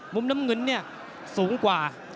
มุมน้ำเงินเนี่ยสูงกว่า